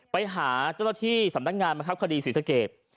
ไปหาเจ้าหน้าที่สำนักงานบังคับคดีศรีสเกต